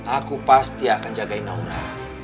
aku pasti akan jagain naura